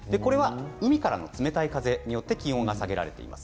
海からの風によって気温が下げられます。